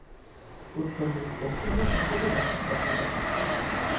অত্যন্ত স্পষ্টভাবে শুনতে পেলাম শব্দকটি।